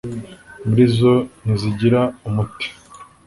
muri zo ntizigira umuti